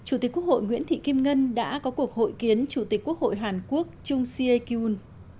chủ tịch quốc hội nguyễn thị kim ngân đã có cuộc hội kiến chủ tịch quốc hội hàn quốc chung sie kyun